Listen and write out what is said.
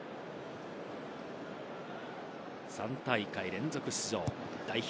３大会連続出場、代表